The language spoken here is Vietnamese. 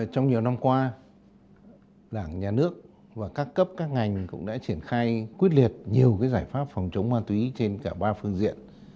trong nhiều năm qua đảng nhà nước và các cấp các ngành cũng đã triển khai quyết liệt nhiều giải pháp phòng chống ma túy trên cả ba phương diện